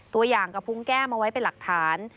ตัวอย่างกระพุงแก้มเอาไว้เป็นหลักฐาน